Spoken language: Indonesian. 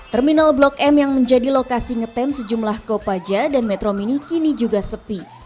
terminal blok m yang menjadi lokasi ngetem sejumlah kopaja dan metro mini kini juga sepi